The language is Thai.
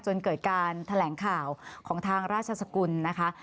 จนเกิดการแถลงข่าวของทางราชสกุลนะคะ